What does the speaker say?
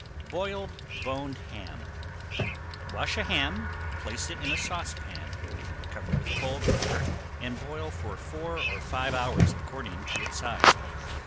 ~BOILED BONED HAM~ Wash a ham, place it in a saucepan, cover with cold water and boil for four or five hours, according to its size.